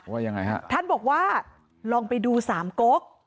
ว่ายังไงฮะท่านบอกว่าลองไปดูสามกก